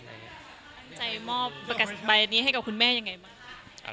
ตั้งใจมอบประกาศใบนี้ให้กับคุณแม่ยังไงบ้าง